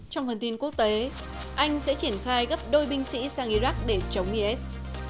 trong phần tin quốc tế anh sẽ triển khai gấp đôi binh sĩ sang iraq để chống is